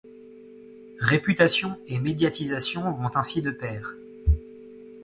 Réputation et médiatisation vont ainsi de pair.